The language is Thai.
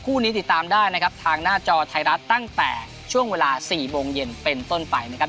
คู่นี้ติดตามได้นะครับทางหน้าจอไทยรัฐตั้งแต่ช่วงเวลา๔โมงเย็นเป็นต้นไปนะครับ